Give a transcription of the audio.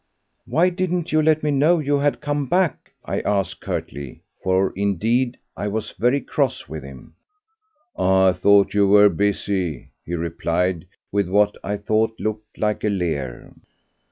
"Why didn't you let me know you had come back?" I asked curtly, for indeed I was very cross with him. "I thought you were busy," he replied, with what I thought looked like a leer.